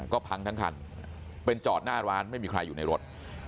ก็พังทั้งคันเป็นจอดหน้าร้านไม่มีใครอยู่ในรถ